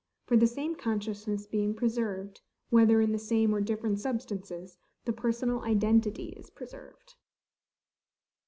For the same consciousness being preserved, whether in the same or different substances, the personal identity is preserved.